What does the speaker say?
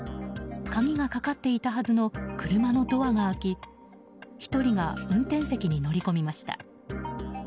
鍵がかかっていたはずの車のドアが開き１人が運転席に乗り込みました。